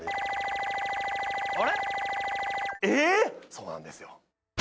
そうなんですよ。